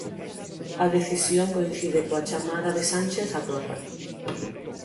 A decisión coincide coa chamada de Sánchez a Torra.